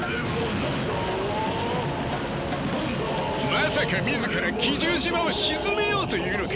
まさか自ら奇獣島を沈めようというのか？